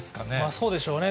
そうでしょうね。